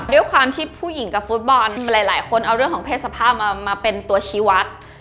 ด้วยความที่ผู้หญิงกับฟุตบอลหลายคนเอาเรื่องของเพศสภาพมาเป็นตัวชีวัตร